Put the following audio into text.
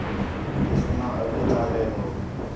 کہ سُنا اوہے چا ڳئے ہو